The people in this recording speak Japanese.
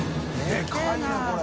でかいねこれ。